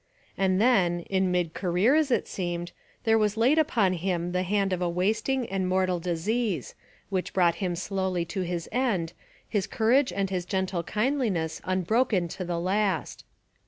And then, in mid career as it seemed, there was laid upon him the hand of a wasting and mortal disease, which brought him slowly to his end, his courage and his gentle kindliness unbroken to the last.